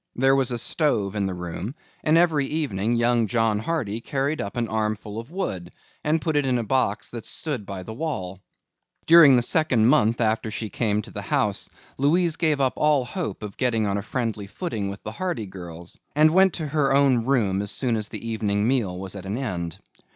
There was a stove in the room and every evening young John Hardy carried up an armful of wood and put it in a box that stood by the wall. During the second month after she came to the house, Louise gave up all hope of getting on a friendly footing with the Hardy girls and went to her own room as soon as the evening meal was at an end.